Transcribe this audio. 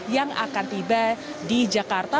yang akan tiba di jakarta